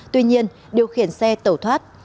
tuy nhiên điều khiển xe tẩu thoát